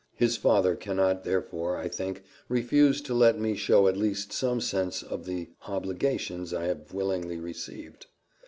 His father cannot, therefore, I think, refuse to let me show at least some sense of the obligations I have willingly received.